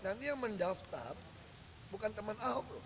nanti yang mendaftar bukan teman ahok loh